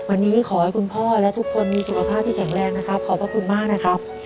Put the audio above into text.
วันนี้ขอให้คุณพ่อและทุกคนมีสุขภาพที่แข็งแรงนะครับขอบพระคุณมากนะครับ